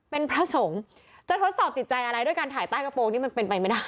เป็นพระสงฆ์จะทดสอบจิตใจอะไรด้วยการถ่ายใต้กระโปรงนี่มันเป็นไปไม่ได้